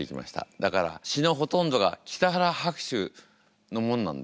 だから詞のほとんどが北原白秋のものなんですよ。